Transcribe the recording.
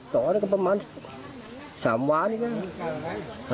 ต่อก็ประมาณ๓หวานใช่ไหม